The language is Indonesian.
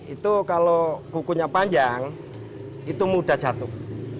itu kalau kukunya panjang itu mudah jatuh